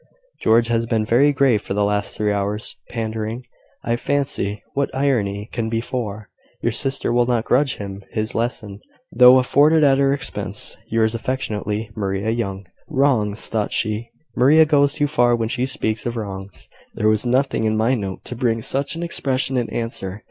"George has been very grave for the last three hours, pandering, I fancy, what irony can be for. Your sister will not grudge him his lesson, though afforded at her expense. "Yours affectionately, "Maria Young." "Wrongs!" thought she; "Maria goes too far when she speaks of wrongs. There was nothing in my note to bring such an expression in answer.